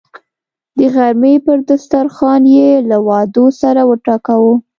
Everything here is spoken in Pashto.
د غرمې پر دسترخان یې له وعدو سر وټکاوه.